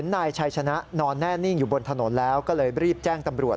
นิ่งอยู่บนถนนแล้วก็เลยรีบแจ้งตำรวจ